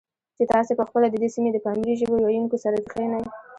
چې تاسې په خپله د دې سیمې د پامیري ژبو ویونکو سره کښېنئ،